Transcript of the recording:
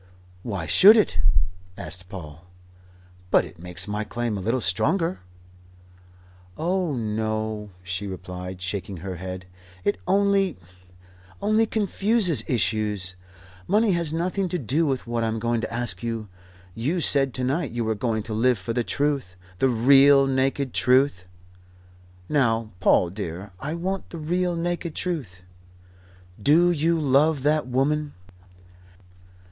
"Why should it?" asked Paul. "But it makes my claim a little stronger." "Oh, no," she replied, shaking her head. "It only only confuses issues. Money has nothing to do with what I'm going to ask you. You said to night you were going to live for the Truth the real naked Truth. Now, Paul dear, I want the real, naked Truth. Do you love that woman?"